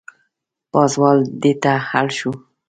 پازوال دېته اړ شو.